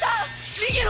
逃げろ！